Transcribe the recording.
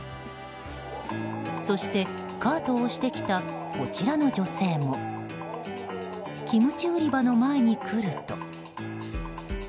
そして、カートを押してきたこちらの女性もキムチ売り場の前に来ると。